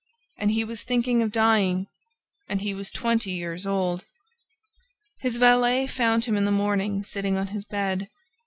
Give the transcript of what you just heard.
And he was thinking of dying; and he was twenty years old! ... His valet found him in the morning sitting on his bed.